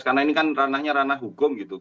karena ini kan ranahnya ranah hukum gitu